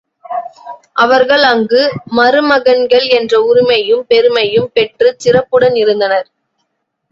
அவர்கள் அங்கு மருமகன்கள் என்ற உரிமையும் பெருமையும் பெற்றுச் சிறப்புடன் இருந்தனர்.